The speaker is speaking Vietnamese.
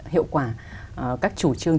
hiệu quả các chủ trương